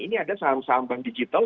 ini ada saham saham bank digital